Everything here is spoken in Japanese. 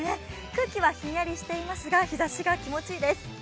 空気はひんやりしていますが、日ざしが気持ちいいです。